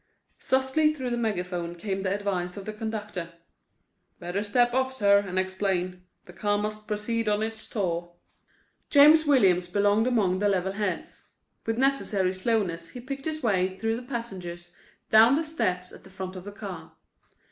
Softly through the megaphone came the advice of the conductor: "Better step off, sir, and explain. The car must proceed on its tour." James Williams belonged among the level heads. With necessary slowness he picked his way through the passengers down to the steps at the front of the car.